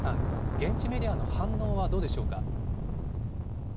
現地メディアの反応はどうでしょうか。